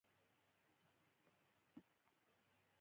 د جعفری پاڼې د څه لپاره وکاروم؟